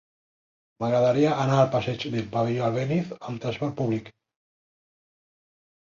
M'agradaria anar al passeig del Pavelló Albéniz amb trasport públic.